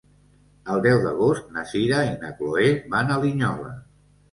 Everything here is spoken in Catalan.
El deu d'agost na Sira i na Chloé van a Linyola.